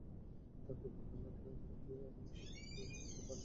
তারপর বলতে লাগলেন, আমি তো আগামীকাল প্রত্যুষে তাঁর নিকট গমনের প্রতিজ্ঞা করেছি।